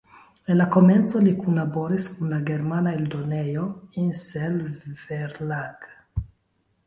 En la komenco li kunlaboris kun la germana eldonejo Insel-Verlag.